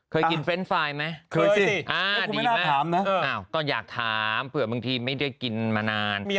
ก็อยากถามไม่ได้กินมานาน